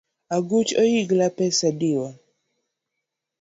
Aguch oyigla pesa adiwa.